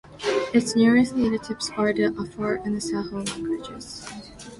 Its nearest relatives are the Afar and Saho languages.